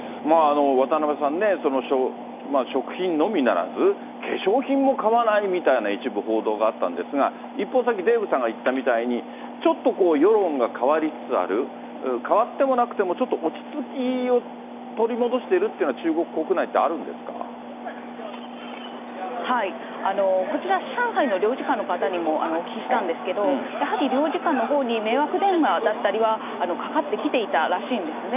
渡辺さんね、食品のみならず、化粧品も買わないみたいな一部報道があったんですが、一方、さっき、デーブさんが言ったみたいにちょっとこう、世論が変わりつつある、変わってもなくても、ちょっと落ち着きを取り戻しているというような、中国国内ってあこちら、上海の領事館の方にもお聞きしたんですけど、やはり領事館のほうに迷惑電話だったりはかかってきていたらしいんですね。